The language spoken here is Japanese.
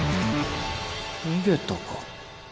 逃げたか。